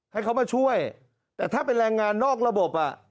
ให้เขามาช่วยแต่ถ้าเป็นแรงงานนอกระบบอ่ะ